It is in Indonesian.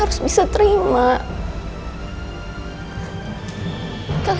aku tak mungkin